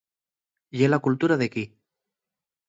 Ye la cultura d'equí.